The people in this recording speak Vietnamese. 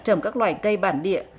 trầm các loài cây bản địa